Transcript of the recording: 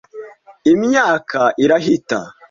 Imyaka irahita.